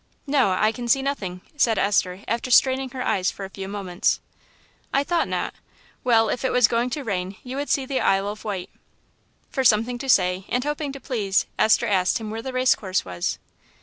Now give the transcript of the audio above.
"No, I can see nothing," said Esther, after straining her eyes for a few moments. "I thought not.... Well, if it was going to rain you would see the Isle of Wight." For something to say, and hoping to please, Esther asked him where the race course was.